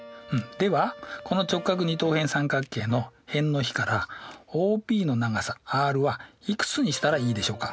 ではこの直角二等辺三角形の辺の比からＯＰの長さｒはいくつにしたらいいでしょうか。